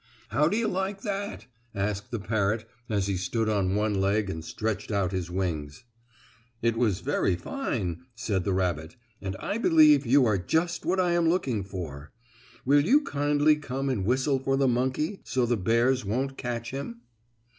"How do you like that?" asked the parrot as he stood on one leg and stretched out his wings. "It was very fine," said the rabbit. "And I believe you are just what I am looking for. Will you kindly come and whistle for the monkey, so the bears won't catch him?"